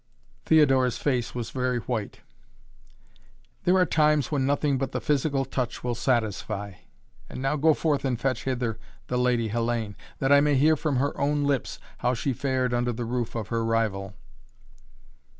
Theodora's face was very white. "There are times when nothing but the physical touch will satisfy. And now go and fetch hither the Lady Hellayne that I may hear from her own lips how she fared under the roof of her rival."